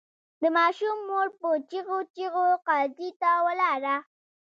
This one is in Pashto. د ماشوم مور په چیغو چیغو قاضي ته ولاړه.